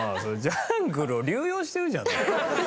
ジャングルを流用してるじゃん。